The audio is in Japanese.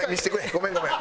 ごめんごめん。